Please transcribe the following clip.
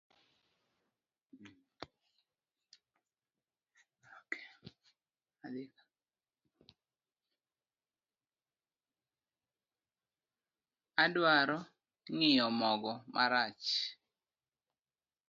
Adwaro ng'inyo mogo marach.